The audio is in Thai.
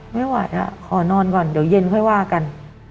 ไม่ไหวขอนอนก่อนเดี๋ยวเย็นค่อยว่ากัน